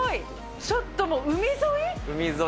ちょっともう、海沿い？